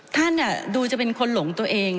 ท่านดูจะเป็นคนหลงตัวเอง